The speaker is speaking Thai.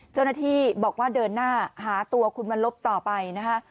เจ้าหน้าที่บอกว่าเดินหน้าหาตัวคุณวันลบต่อไปนะคะ